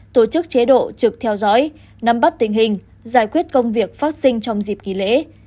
tổ chức chế độ trực theo dõi nắm bắt tình hình giải quyết công việc phát sinh trong dịp kỳ lễ